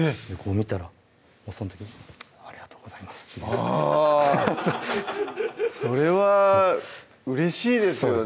見たらその時に「ありがとうございます」ってあぁそれはうれしいですよね